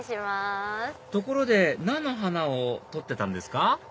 ところで菜の花を撮ってたんですか？